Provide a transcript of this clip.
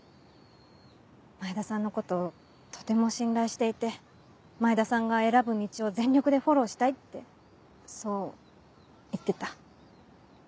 前田さんのこととても信頼していて前田さんが選ぶ道を全力でフォローしたいってそう言ってた。